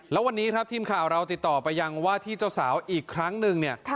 แล้ววันนี้ครับทีมข่าวเราติดต่อไปยังว่าที่เจ้าสาวอีกครั้งหนึ่งเนี่ย